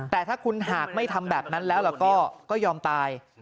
แต่ถ้าคุณหากไม่ทำแบบนั้นแล้วก็ยอมตาย